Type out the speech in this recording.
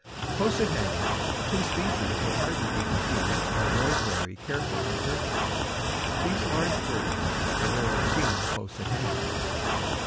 Close at hand the two species would hardly be confused by an ordinarily careful observer, but these large birds are rarely seen close at hand.